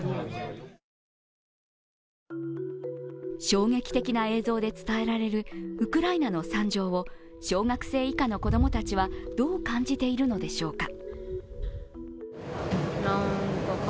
衝撃的な映像で伝えられるウクライナの惨状を小学生以下の子供たちは、どう感じているのでしょうか？